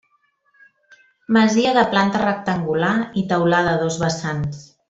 Masia de planta rectangular i teulada a dos vessants.